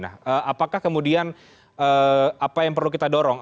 nah apakah kemudian apa yang perlu kita dorong